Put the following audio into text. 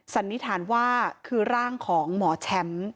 สันนิษฐานว่าคือร่างของหมอแชมป์